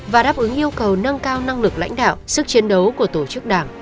và đáp ứng yêu cầu nâng cao năng lực lãnh đạo sức chiến đấu của tổ chức đảng